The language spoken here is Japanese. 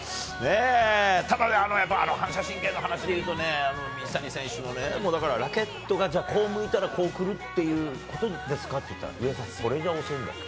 ただ、反射神経の話で言うと水谷選手のラケットが、こう向いたらこう来るっていうことですかって言ったらそれじゃ遅いんだと。